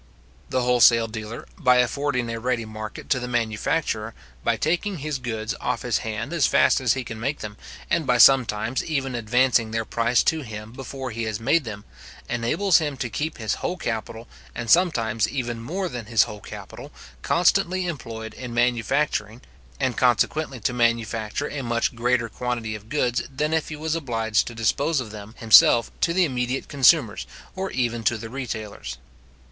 The wholesale dealer, by affording a ready market to the manufacturer, by taking his goods off his hand as fast as he can make them, and by sometimes even advancing their price to him before he has made them, enables him to keep his whole capital, and sometimes even more than his whole capital, constantly employed in manufacturing, and consequently to manufacture a much greater quantity of goods than if he was obliged to dispose of them himself to the immediate consumers, or even to the retailers.